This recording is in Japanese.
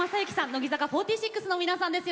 乃木坂４６の皆さんです。